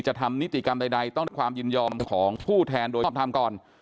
ทำนิติกรรมใดต้องความยินยอมของผู้แทนโดยชอบทำก่อน